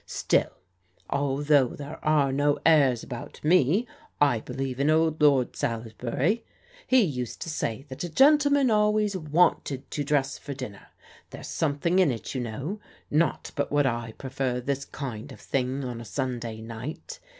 Still, although there are no airs about me, I believe in old Lord Salisbury. He used to say that a gentleman always wanted to dress for dinner. There's something in it, you know. Not but what I prefer this kind of thing on a Stmday night.